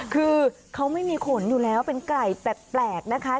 คือเขาไม่มีขนอยู่แล้วเป็นไก่แปลกนะคะ